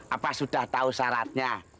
apa sudah tahu syaratnya